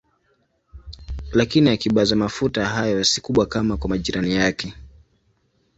Lakini akiba za mafuta hayo si kubwa kama kwa majirani yake.